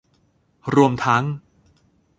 รวมทั้ง